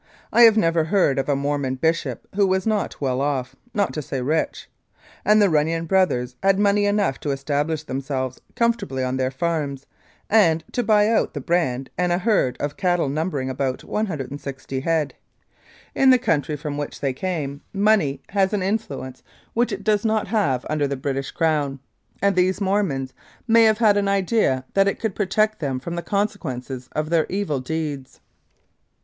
I have never heard of a Mormon bishop who was not well off, not to say rich ; and the Runnion Brothers had money enough to establish themselves comfortably on their farms and to buy out the brand and a herd of cattle numbering about 160 head. In the country from 296 Humours and Uncertainties of the Law which they came money has an influence which it does not have under the British Crown, and these Mormons may have had an idea that it could protect them from the consequences of their evil deeds.